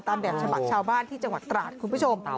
แบบฉบับชาวบ้านที่จังหวัดตราดคุณผู้ชม